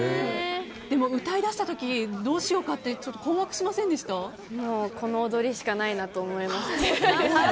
でも歌い出した時どうしようかってこの踊りしかないなと思いました。